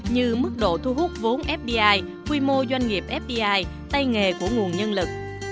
như mức độ thu hút vốn fdi quy mô doanh nghiệp fdi tay nghề của nguồn nhân lực